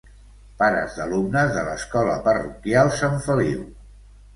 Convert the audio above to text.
Pares d'alumnes de l'escola parroquial "Sant Feliu"